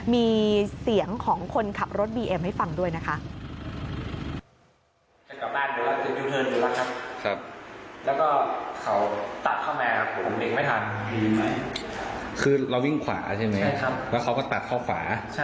มีเสียงของคนขับรถบีเอ็มให้ฟังด้วยนะคะ